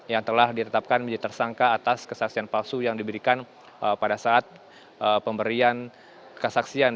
yang telah ditetapkan menjadi tersangka atas kesaksian palsu yang diberikan pada saat pemberian kesaksian